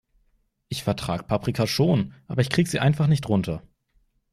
Ich vertrag Paprika schon, aber ich krieg sie einfach nicht runter.